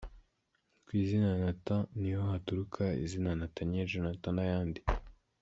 Ku izina Nathan niho haturuka izina Nathaniel, Jonathan n’ayandi.